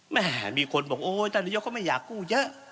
แหมมีคนบอกโอ้ยธันยกเขาไม่อยากกู้เยอะ